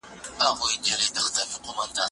زه اوس ځواب ليکم!.